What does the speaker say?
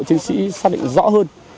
chính sĩ xác định rõ hơn